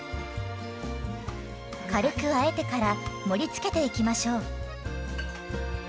軽くあえてから盛りつけていきましょう。